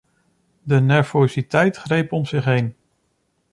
De nervositeit greep om zich heen.